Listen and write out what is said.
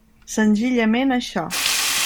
Senzillament això.